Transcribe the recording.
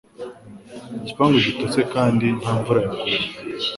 Igipangu gitose kandi nta mvura yaguye